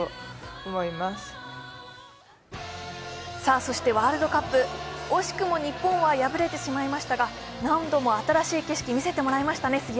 そしてワールドカップ、惜しくも日本は敗れてしまいましたが何度も新しい景色見せてもらいましたね。